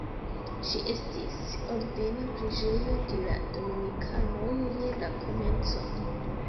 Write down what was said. Ĝi estis ordena preĝejo de la dominikanoj je la komenco.